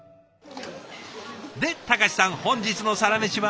で貴さん本日のサラメシは？